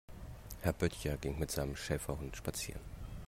Herr Böttcher ging mit seinem Schäferhund spazieren.